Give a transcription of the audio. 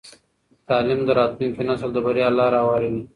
تعلیم د راتلونکي نسل د بریا لاره هواروي.